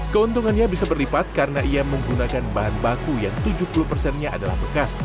keuntungannya bisa berlipat karena ia menggunakan bahan baku yang tujuh puluh persennya adalah bekas